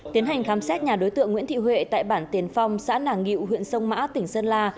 tiến hành khám xét nhà đối tượng nguyễn thị huệ tại bản tiền phong xã nàng nghị huyện sông mã tỉnh sơn la